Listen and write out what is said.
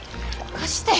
貸して。